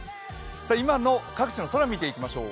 今の各地の空、見ていきましょう。